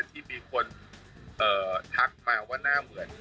ที่มีคนทักมาว่าหน้าเหมือน